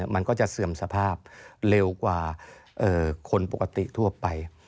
มันก็จะเสื่อมสภาพเร็วกว่าคนปกติทั่วไป